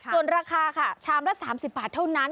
ส่วนราคาค่ะชามละ๓๐บาทเท่านั้น